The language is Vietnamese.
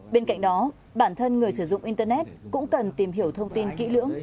bên cạnh đó bản thân người sử dụng internet cũng cần tìm hiểu thông tin kỹ lưỡng